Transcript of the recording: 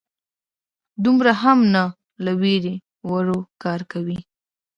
_دومره هم نه، له وېرې ورو کار کوي.